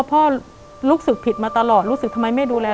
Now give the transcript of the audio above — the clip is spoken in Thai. พ่อรู้สึกผิดมาตลอดรู้สึกทำไมไม่ดูแล